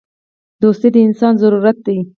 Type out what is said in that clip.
• دوستي د انسان ضرورت دی.